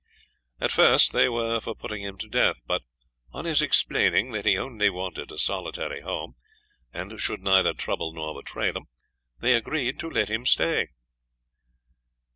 At first they were for putting him to death, but on his explaining that he only wanted a solitary home, and should neither trouble nor betray them, they agreed to let him stay.